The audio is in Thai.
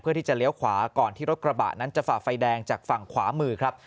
ที่จะเลี้ยวขวาก่อนที่รถกระบะนั้นจะฝ่าไฟแดงจากฝั่งขวามือครับ